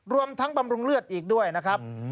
รวมทั้งบำรุงเลือดอีกด้วยนะครับ